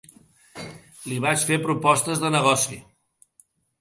Li vaig fer propostes de negoci.